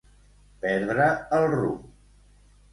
Perdre el rumb.